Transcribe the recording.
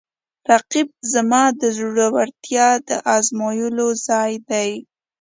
رقیب زما د زړورتیا د ازمویلو ځای دی